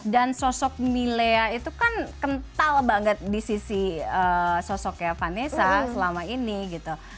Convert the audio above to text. dan sosok milea itu kan kental banget di sisi sosoknya vanessa selama ini gitu